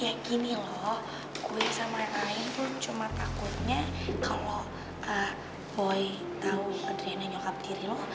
ya gini loh gue sama rai cuma takutnya kalau boy tau adriana nyokap diri lo